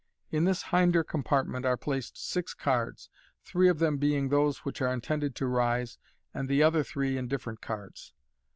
In this hinder compartment are placed six cards, three of them being those which are intended to rise, and the other three indifferent cards.